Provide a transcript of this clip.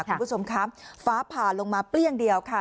คุณผู้ชมครับฟ้าผ่าลงมาเปรี้ยงเดียวค่ะ